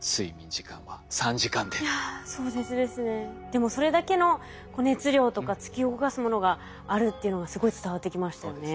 でもそれだけの熱量とか突き動かすものがあるっていうのがすごい伝わってきましたよね。